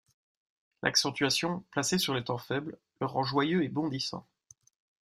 L'accentuation, placée sur les temps faible, le rend joyeux et bondissant.